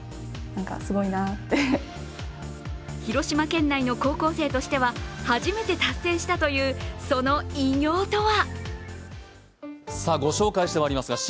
広島県内の高校生としては初めて達成したという、その偉業とは。